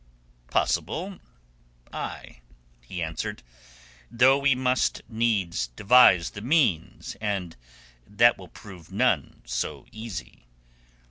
"Possible—ay," he answered. "Though we must needs devise the means, and that will prove none so easy."